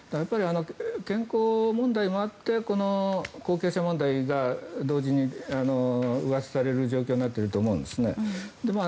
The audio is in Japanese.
健康問題もあってこの後継者問題が同時にうわさされる状況になっていると思うんですね。